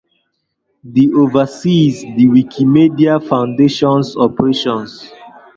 The oversees the Wikimedia Foundation's operations.